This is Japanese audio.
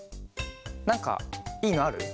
なんかいいのある？